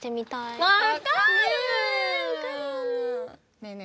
ねえねえ